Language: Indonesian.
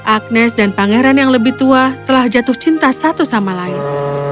agnes dan pangeran yang lebih tua telah jatuh cinta satu sama lain